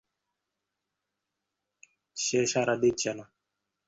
সে সাড়া দিচ্ছে না।